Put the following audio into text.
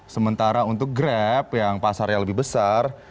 sementara untuk grab yang pasarnya lebih besar